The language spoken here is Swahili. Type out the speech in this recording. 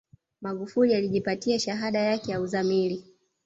magufuli alijipatia shahada yake ya uzamili